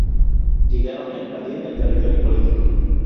Llegaron a invadir el terreno político.